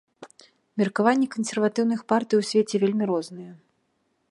Меркаванні кансерватыўных партый у свеце вельмі розныя.